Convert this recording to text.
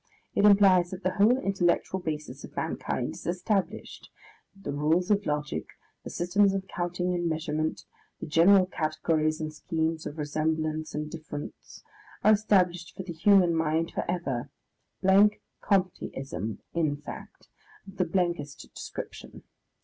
It implies that the whole intellectual basis of mankind is established, that the rules of logic, the systems of counting and measurement, the general categories and schemes of resemblance and difference, are established for the human mind for ever blank Comte ism, in fact, of the blankest description.